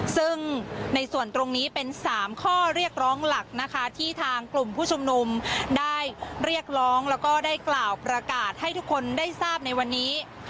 ซึ่งในส่วนตรงนี้เป็น๓ข้อเรียกร้องหลักนะคะที่ทางกลุ่มผู้ชุมนุมได้เรียกร้องแล้วก็ได้กล่าวประกาศให้ทุกคนได้ทราบในวันนี้